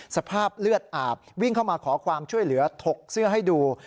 สภาพเลือดอาบวิ่งเข้ามาขอความช่วยเหลือถกเสื้อให้ดู